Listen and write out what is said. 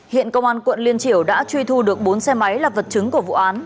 hiện công an quận liên triểu đã truy thu được bốn xe máy là vật chứng của vụ án